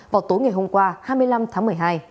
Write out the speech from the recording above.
vào tối ngày hôm qua hai mươi năm tháng một mươi hai